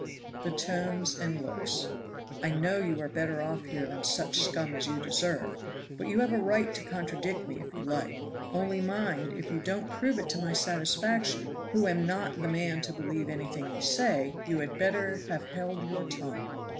The tones and looks. "I know you are better off here than such scum as you deserve, but you have a right to contradict me if you like; only mind, if you don't prove it to my satisfaction, who am not the man to believe anything you say, you had better have held your tongue."